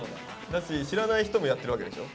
だし知らない人もやってるわけでしょ？